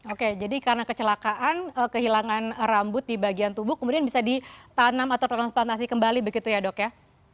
oke jadi karena kecelakaan kehilangan rambut di bagian tubuh kemudian bisa ditanam atau transplantasi kembali begitu ya dok ya